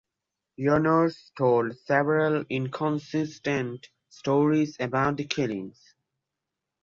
Wuornos told several inconsistent stories about the killings.